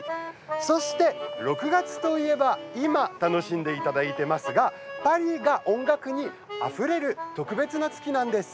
そして、６月といえば今、楽しんでいただいていますがパリが音楽にあふれる特別な月なんです。